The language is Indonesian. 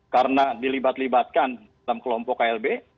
karena dilibat libatkan dalam kelompok klb